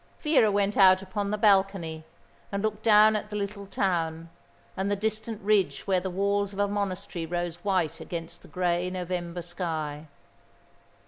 Vera went out upon the balcony and looked down at the little town, and the distant ridge where the walls of a monastery rose white against the grey November sky.